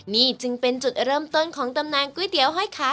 นี่จึงเป็นจุดเริ่มต้นของตำนานก๋วยเตี๋ยวห้อยขา